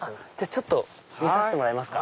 ちょっと見させてもらえますか？